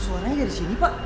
suaranya dari sini pak